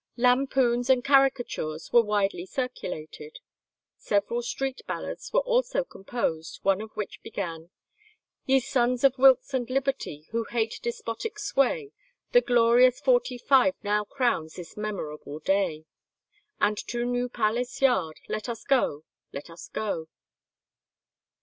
Lampoons and caricatures were widely circulated. Several street ballads were also composed, one of which began: "Ye sons of Wilkes and Liberty, Who hate despotic sway, The glorious Forty Five now crowns This memorable day. And to New Palace Yard let us go, let us go."